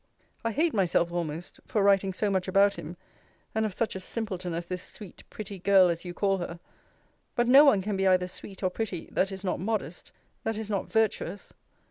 I hate myself almost for writing so much about him, and of such a simpleton as this sweet pretty girl as you call her: but no one can be either sweet or pretty, that is not modest, that is not virtuous.